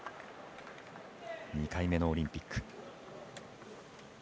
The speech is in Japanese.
２回目のオリンピック。